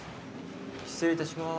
失礼いたします。